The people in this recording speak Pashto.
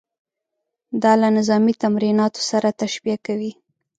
دا له نظامي تمریناتو سره تشبیه کوي.